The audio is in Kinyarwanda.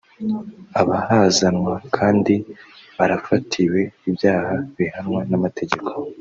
abahazanwa kandi barafatiwe ibyaha bihanwa n’amategeko